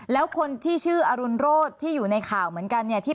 แล้วคนที่ชื่ออรุณโรธที่อยู่ในข่าวเหมือนกันเนี่ย